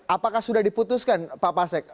apakah sudah diputuskan pak pasek